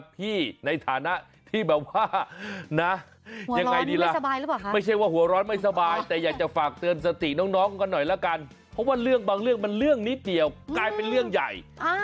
เพราะว่าเรื่องบางเรื่องมันเรื่องนิดเดียวกลายเป็นเรื่องใหญ่